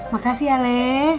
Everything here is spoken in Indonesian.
makasih ya leh